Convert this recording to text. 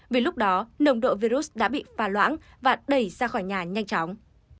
vì lúc đó nồng độ virus đã bị phà loãng và đẩy ra khỏi nhà nhanh chóng